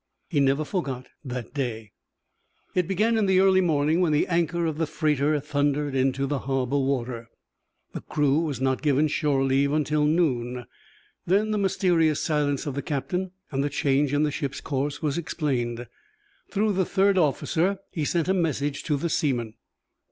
He never forgot that day. It began in the early morning when the anchor of the freighter thundered into the harbour water. The crew was not given shore leave until noon. Then the mysterious silence of the captain and the change in the ship's course was explained. Through the third officer he sent a message to the seamen.